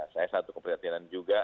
saya satu keperhatian juga